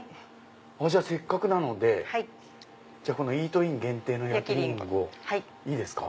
じゃあせっかくなのでイートイン限定の焼ＲＩＮＧＯをいいですか？